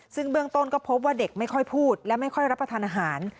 ซึ่งเบื้องต้นก็พบว่าเด็กไม่ค่อยพูดและไม่ค่อยรับประทานอาหาร